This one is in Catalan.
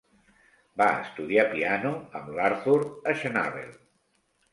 Va estudiar piano amb l"Arthur Schnabel.